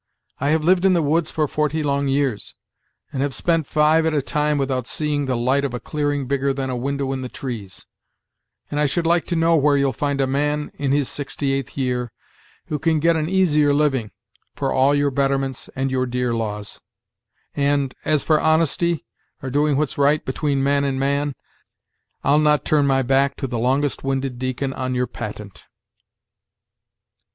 I have lived in the woods for forty long years, and have spent five at a time without seeing the light of a clearing bigger than a window in the trees; and I should like to know where you'll find a man, in his sixty eighth year, who can get an easier living, for all your betterments and your deer laws; and, as for honesty, or doing what's right between man and man, I'll not turn my back to the longest winded deacon on your Patent."